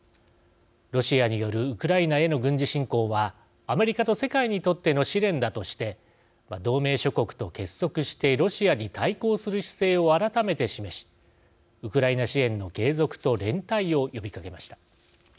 ロシアによるウクライナへの軍事侵攻は「アメリカと世界にとっての試練だ」として同盟諸国と結束してロシアに対抗する姿勢を改めて示し、ウクライナ支援の継続と連帯を呼びかけました。